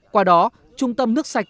qua đó trung tâm nước sạch